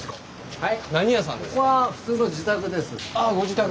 はい。